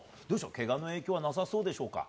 けがの影響はなさそうでしょうか。